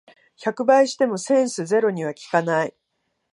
百倍してもセンスゼロには効かない